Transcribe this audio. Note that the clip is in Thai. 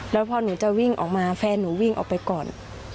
แล้วพอหนูจะวิ่งออกมาแฟนหนูวิ่งออกไปก่อน